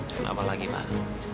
tidak apa lagi mbak